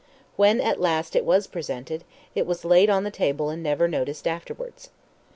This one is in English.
When at last it was presented, it was laid on the table and never noticed afterwards.